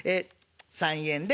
３円で。